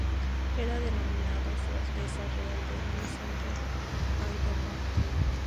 Era denominado "Su alteza real el Nizam de Hyderabad".